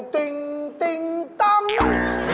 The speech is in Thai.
ติ้งติ้งต้ำ